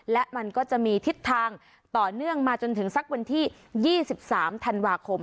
และมันก็จะมีทิศทางต่อเนื่องมาจนถึงสักวันที่๒๓ธันวาคม